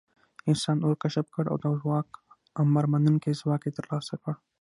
انسان اور کشف کړ او د ځواک امرمنونکی ځواک یې تر لاسه کړ.